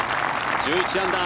１１アンダー、